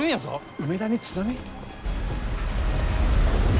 梅田に津波？